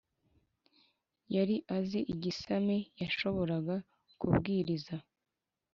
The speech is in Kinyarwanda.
Yari azi igisami yashoboraga kubwiriza